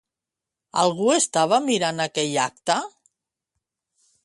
Algú estava mirant aquell acte?